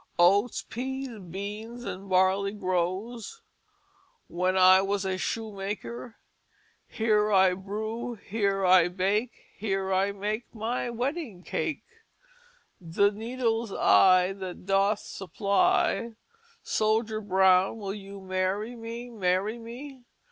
"Oats, pease, beans and barley grows;" "When I was a shoemaker;" "Here I brew, Here I bake, Here I make my Wedding Cake;" "The needle's eye that doth supply;" "Soldier Brown will you marry, marry me?"